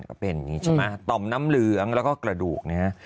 ก็เป็นอย่างนี้ใช่ไหมต่อมน้ำเหลืองแล้วก็กระดูกนะฮะ